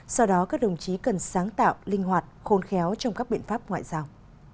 sau đó các đồng chí cần sáng tạo linh hoạt khôn khéo trong các biện pháp ngoại giao